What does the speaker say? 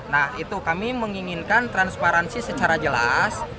nah itu kami menginginkan transparansi secara jelas